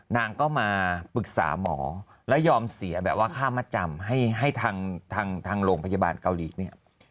นางก็มาปรึกษาหมอแล้วยอมเสียแบบว่าค่ามัดจำให้ทางโรงพยาบาลเกาหลีเนี่ย